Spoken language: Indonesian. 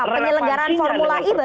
penyelenggaran formula e bagaimana